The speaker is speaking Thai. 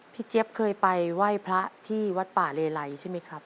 เจี๊ยบเคยไปไหว้พระที่วัดป่าเลไลใช่ไหมครับ